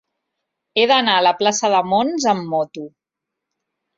He d'anar a la plaça de Mons amb moto.